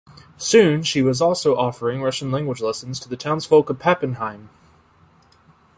Soon she was also offering Russian language lessons to the townsfolk of Pappenheim.